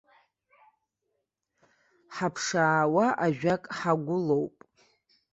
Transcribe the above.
Ҳаԥшаауа ажәак ҳагәылоуп.